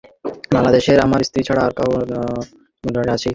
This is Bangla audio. বাংলাদেশে আমার স্ত্রী ছাড়া আর কাহারো নাম নির্ঝরিণী আছে কি।